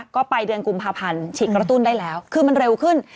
ก็ไปเดือนกุมภาพันธ์ฉีดกระตุ้นได้แล้วคือมันเร็วขึ้น